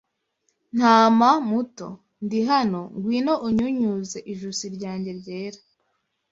Ntama muto, Ndi hano; Ngwino unyunyuze ijosi ryanjye ryera